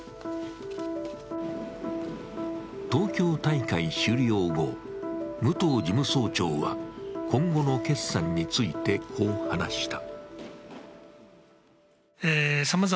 東京大会終了後、武藤事務総長は今後の決算についてこう話した。